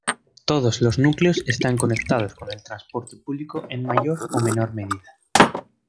Todos los núcleos están conectados con el transporte público en mayor o menor medida.